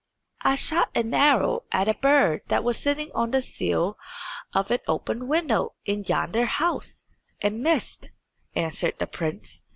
"I shot an arrow at a bird that was sitting on the sill of an open window in yonder house, and missed," answered the prince.